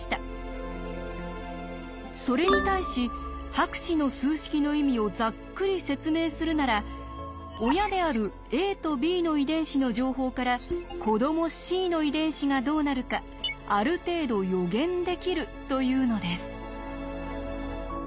それに対し博士の数式の意味をざっくり説明するなら親であるａとｂの遺伝子の情報から子どもｃの遺伝子がどうなるかある程度予言できるというのです。